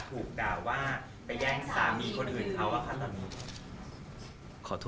ถูกด่าว่าไปแย่งสามีคนอื่นเขาว่าครั้งตอนนี้